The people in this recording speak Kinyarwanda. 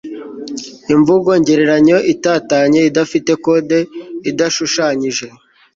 imvugo ngereranyo itatanye idafite kode idashushanyije